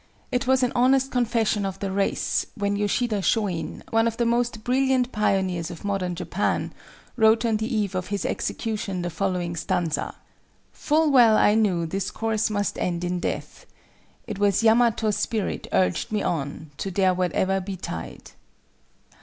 It was an honest confession of the race when Yoshida Shôin, one of the most brilliant pioneers of Modern Japan, wrote on the eve of his execution the following stanza;— "Full well I knew this course must end in death; It was Yamato spirit urged me on To dare whate'er betide."